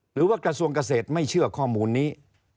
หรือว่ากระทรวงเกษตรไม่เชื่อข้อมูลนี้